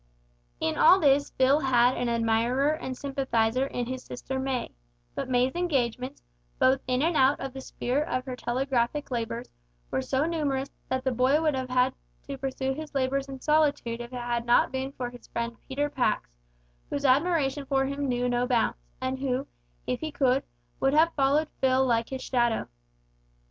In all this Phil had an admirer and sympathiser in his sister May; but May's engagements, both in and out of the sphere of her telegraphic labours, were numerous, so that the boy would have had to pursue his labours in solitude if it had not been for his friend Peter Pax, whose admiration for him knew no bounds, and who, if he could, would have followed Phil like his shadow.